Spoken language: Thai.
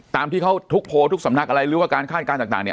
ที่เขาทุกโปรทุกสำนักหรือการคาดการณ์ต่าง